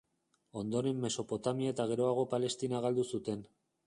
Ondoren Mesopotamia eta geroago Palestina galdu zuten.